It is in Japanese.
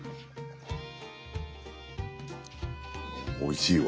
おいしいわ。